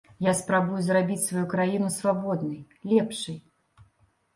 Я спрабую зрабіць сваю краіну свабоднай, лепшай.